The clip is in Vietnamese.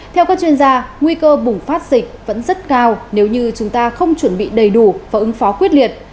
theo các chuyên gia nguy cơ bùng phát dịch vẫn rất cao nếu như chúng ta không chuẩn bị đầy đủ và ứng phó quyết liệt